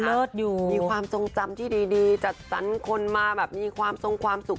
เลิศอยู่มีความทรงจำที่ดีจัดสรรคนมาแบบมีความทรงความสุข